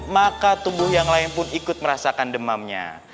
maka tubuh yang lain pun ikut merasakan demamnya